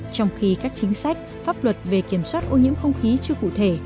trong khi các chính sách pháp luật về kiểm soát ô nhiễm không khí chưa cụ thể